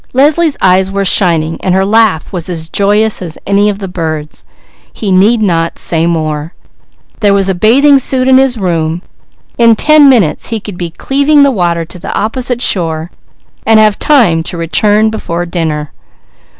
Leslie's eyes were shining while her laugh was as joyous as any of the birds. He need not say more. There was a bathing suit in his room; in ten minutes he could be cleaving the water to the opposite shore and have time to return before dinner.